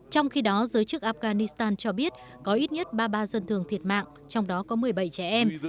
trong khi đó giới chức afghanistan cho biết có ít nhất ba mươi ba dân thường thiệt mạng trong đó có một mươi bảy trẻ em